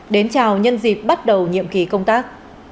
đến chào nhân dịp bắt đầu nhiệm kỳ công tác